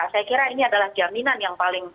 saya kira ini adalah jaminan yang paling